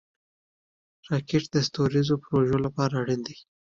راکټ د ستوریزو پروژو لپاره اړین دی